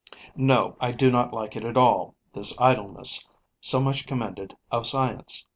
No, I do not like it at all, this idleness so much commended of science.